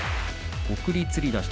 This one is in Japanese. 送りつり出し。